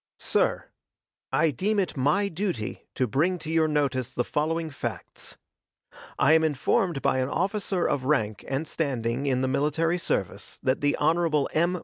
SIR: I deem it my duty to bring to your notice the following facts: I am informed by an officer of rank and standing in the military service that the Hon. M.